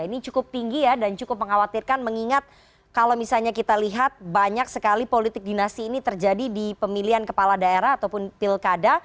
ini cukup tinggi ya dan cukup mengkhawatirkan mengingat kalau misalnya kita lihat banyak sekali politik dinasti ini terjadi di pemilihan kepala daerah ataupun pilkada